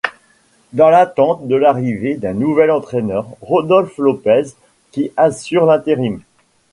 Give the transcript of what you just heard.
Dans l’attente de l’arrivée d’un nouvel entraîneur, Rodolphe Lopes qui assure l’intérim.